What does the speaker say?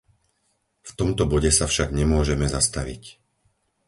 V tomto bode sa však nemôžeme zastaviť.